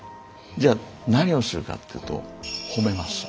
じゃあ何をするかっていうと褒めます。